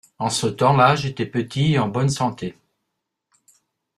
En ce temps-là j’étais petit et en bonne santé.